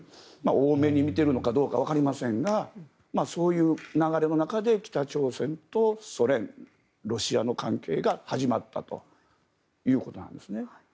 大目に見ているのかどうかわかりませんがそういう流れの中で北朝鮮とソ連、ロシアの関係が始まったということです。